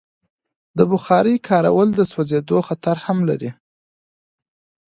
د بخارۍ کارول د سوځېدو خطر هم لري.